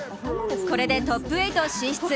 これでトップ８進出。